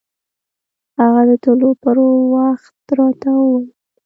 هغه د تلو پر وخت راته وويل.